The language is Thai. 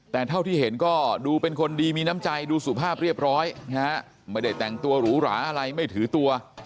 แต่เท่าที่เห็นก็ดูเป็นคนดีมีน้ำใจดูสุภาพเรียบร้อยนะฮะไม่ได้แต่งตัวหรูหราอะไรไม่ถือตัว